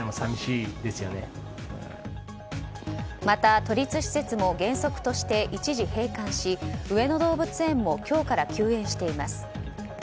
また、都立施設も原則として一時閉館し上野動物園も今日から休園しています。